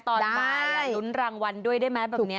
ตอนปลายลุ้นรางวัลด้วยได้ไหมแบบนี้